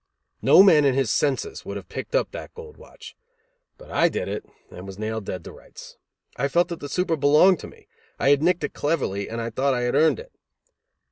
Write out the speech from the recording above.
No man in his senses would have picked up that gold watch. But I did it and was nailed dead to rights. I felt that super belonged to me. I had nicked it cleverly, and I thought I had earned it!